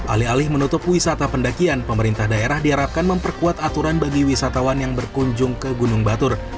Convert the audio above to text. alih alih menutup wisata pendakian pemerintah daerah diharapkan memperkuat aturan bagi wisatawan yang berkunjung ke gunung batur